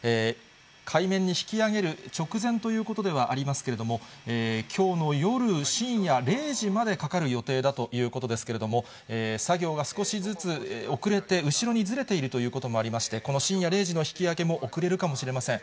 海面に引き揚げる直前ということではありますけれども、きょうの夜、深夜０時までかかる予定だということですけれども、作業が少しずつ遅れて、後ろにずれているということもありまして、この深夜０時の引き揚げも遅れるかもしれません。